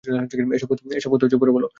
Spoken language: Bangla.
এসব কথা পরে বল।